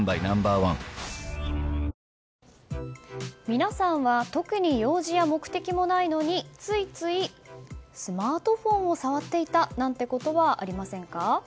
皆さんは特に用事や目的もないのについついスマートフォンを触っていたなんてことはありませんか？